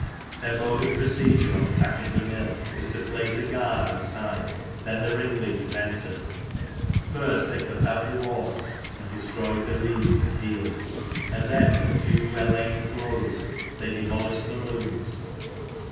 Their mode of procedure on attacking a mill was to place a .guard outside, then the ringleaders entered ; first they cut out the warps and destroyed the reeds and healds, and then Some Lancashire Characters and Incidents. 143 with a few well aimed blows they demolished the looms.